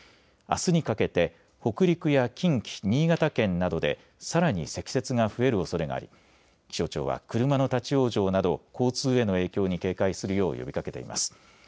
あすにかけて北陸や近畿、新潟県などでさらに積雪が増えるおそれがあり気象庁は車の立往生など交通への影響に警戒するよう呼びかけています。